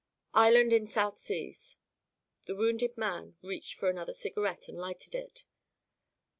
"Island in South Seas." The wounded man reached for another cigarette and lighted it.